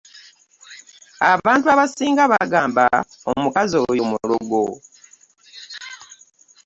Abantu abasinga bagamba omukazi oyo mulogo.